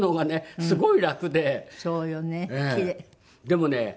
でもね